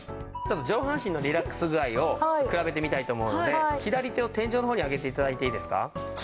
上半身のリラックス具合を比べてみたいと思うので左手を天井の方に上げて頂いていいですか？